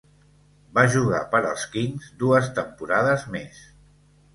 Va jugar per als Kings dues temporades més.